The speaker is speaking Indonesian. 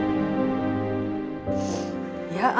tante mikirin apa sih